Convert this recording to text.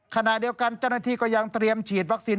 ขณะเดียวกันเจ้าหน้าที่ก็ยังเตรียมฉีดวัคซีน